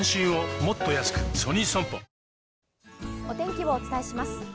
お天気をお伝えします。